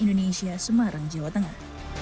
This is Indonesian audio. indonesia semarang jawa tengah